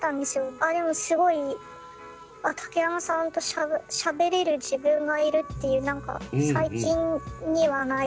あでもすごい竹山さんとしゃべれる自分がいるっていう何か最近にはないちょっと自信になりました。